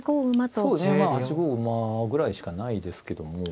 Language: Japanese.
そうですねまあ８五馬ぐらいしかないですけども。